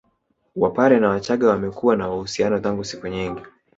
Wapare na wachaga wamekuwa na uhusiano tangu siku nyingi